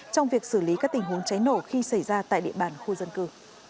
trong việc xử lý các tình huống cháy nổ khi xảy ra tại địa bàn khu dân cư